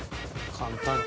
簡単。